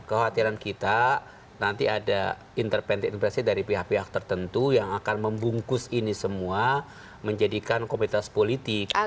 kekhawatiran kita nanti ada intervensi intervensi dari pihak pihak tertentu yang akan membungkus ini semua menjadikan komunitas politik